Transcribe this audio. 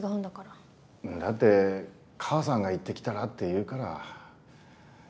んだって母さんが行ってきたらって言うから。